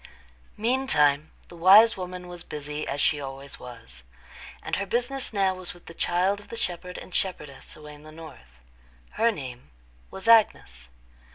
Meantime the wise woman was busy as she always was; and her business now was with the child of the shepherd and shepherdess, away in the north. Her name was Agnes.